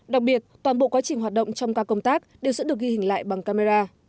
đặc biệt toàn bộ quá trình hoạt động trong các công tác đều sẽ được ghi hình lại bằng camera